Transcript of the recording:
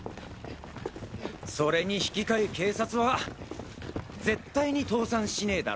それにひきかえ警察は絶対に倒産しねぇだろ？